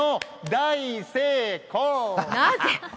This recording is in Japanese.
大成功！